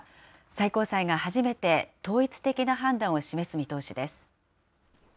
最高裁が初めて統一的な判断を示す見通しです。